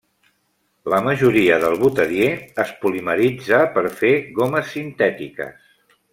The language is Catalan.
La majoria del butadiè es polimeritza per fer gomes sintètiques.